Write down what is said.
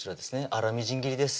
粗みじん切りです